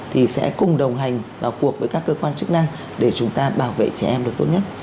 thì sẽ cùng đồng hành vào cuộc với các cơ quan chức năng để chúng ta bảo vệ trẻ em được tốt nhất